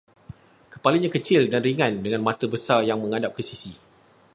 Kepalanya kecil dan ringan dengan mata besar yang menghadap ke sisi